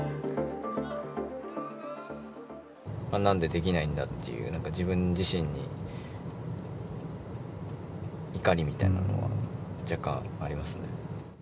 なんでできないんだっていう、自分自身に怒りみたいなのは若干ありますね。